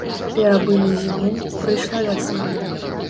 Перабылі зіму, прыйшла вясна.